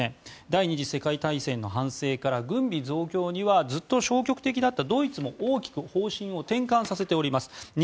第２次世界大戦の反省から軍備増強にはずっと消極的だったドイツも大きく方針を転換させております。